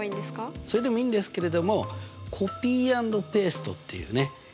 それでもいいんですけれどもコピー＆ペーストっていうね